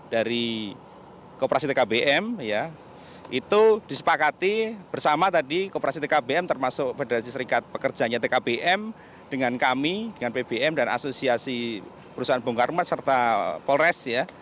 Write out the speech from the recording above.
dari koperasi tkbm itu disepakati bersama tadi kooperasi tkbm termasuk federasi serikat pekerjanya tkbm dengan kami dengan pbm dan asosiasi perusahaan bongkar mas serta polres ya